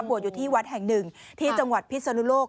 บวชอยู่ที่วัดแห่งหนึ่งที่จังหวัดพิศนุโลก